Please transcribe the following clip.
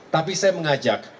tapi saya mengajak